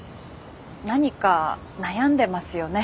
何か悩んでますよね